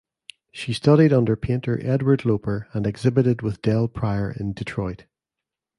She studied under painter Edward Loper and exhibited with Dell Pryor in Detroit.